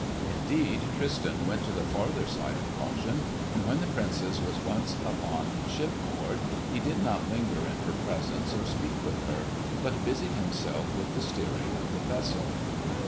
Indeed, Tristan went to the farther side of caution, and when the Princess was once upon shipboard he did not linger in her presence or speak with her, but busied himself with the steering of the vessel.